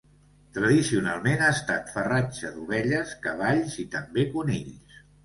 Tradicionalment ha estat farratge d'ovelles, cavalls i també conills.